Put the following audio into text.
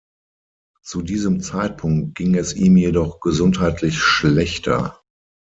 Zu diesem Zeitpunkt ging es ihm jedoch gesundheitlich schlechter.